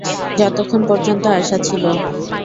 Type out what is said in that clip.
যতক্ষণ পর্যন্ত আশা ছিল।